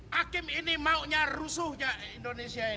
hakim ini maunya rusuhnya indonesia ini